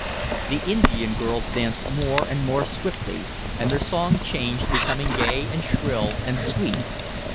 The Indian girls danced more and more swiftly, and their song changed, becoming gay and shrill and sweet.